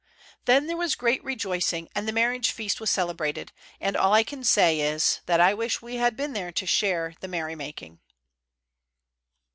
Then there was great rejoicing, and the marriage feast was celebrated, and all I can say is, that I wish we had been there to share the merrymaking.